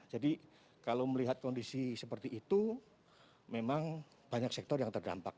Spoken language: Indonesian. jadi kalau melihat kondisi seperti itu memang banyak sektor yang terdampak